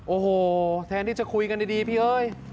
โอ้โหแทนที่จะคุยกันดีพี่เอ้ย